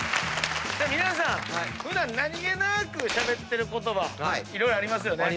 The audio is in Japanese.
皆さん普段何げなーくしゃべってる言葉色々ありますよね。